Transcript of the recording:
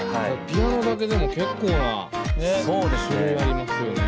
ピアノだけでも結構な種類ありますよね。